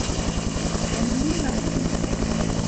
Bonne nuit, ma fille.